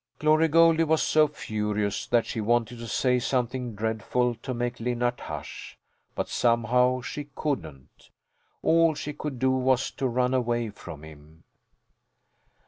Glory Goldie was so furious that she wanted to say something dreadful to make Linnart hush, but somehow she couldn't. All she could do was to run away from him.